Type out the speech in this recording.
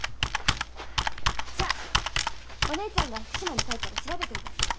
じゃあお姉ちゃんが福島に帰ったら調べといてあげる。